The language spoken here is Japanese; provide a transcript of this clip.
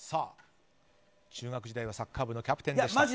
中学時代はサッカー部のキャプテンでした。